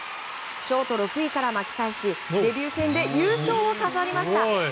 ショート６位から巻き返しデビュー戦で優勝を飾りました！